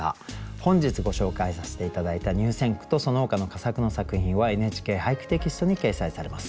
本日ご紹介させて頂いた入選句とそのほかの佳作の作品は「ＮＨＫ俳句」テキストに掲載されます。